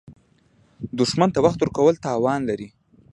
دښمن ته وخت ورکول تاوان لري